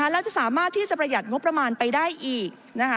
และจะสามารถที่จะประหยัดงบประมาณไปได้อีก